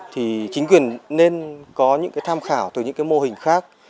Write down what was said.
thì chính quyền nên có những cái tham khảo từ những cái mô hình khác